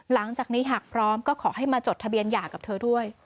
หลังจากนี้หากพร้อมก็ขอให้มาจดทะเบียนหย่ากับเธอด้วย